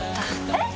えっ！！